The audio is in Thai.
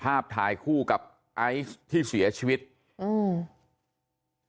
ถ่ายคู่กับไอซ์ที่เสียชีวิตอืม